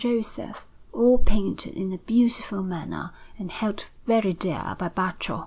Joseph, all painted in a beautiful manner and held very dear by Baccio.